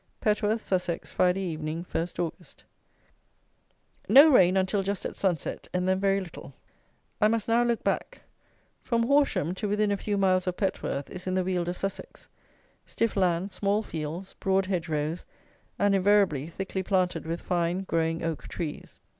Petworth (Sussex), Friday Evening, 1 Aug. No rain, until just at sunset, and then very little. I must now look back. From Horsham to within a few miles of Petworth is in the Weald of Sussex; stiff land, small fields, broad hedge rows, and invariably thickly planted with fine, growing oak trees.